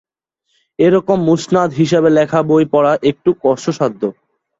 এরকম মুসনাদ হিসাবে লেখা বই পড়া একটু কষ্টসাধ্য।